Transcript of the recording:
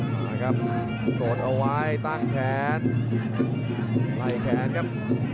มาครับกดเอาไว้ตั้งแขนไล่แขนครับ